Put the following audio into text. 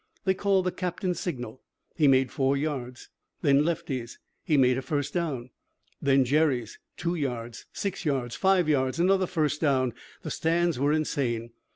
They called the captain's signal. He made four yards. Then Lefty's. He made a first down. Then Jerry's. Two yards. Six yards. Five yards. Another first down. The stands were insane.